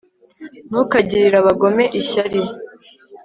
ntukagirire abagome ishyari